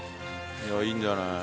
いいんじゃない？